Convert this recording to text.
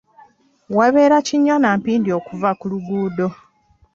Wabeera kinnya na mpindi okuva ku luguudo.